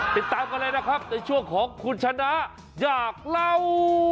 ติดตามกันเลยนะครับในช่วงของคุณชนะอยากเล่า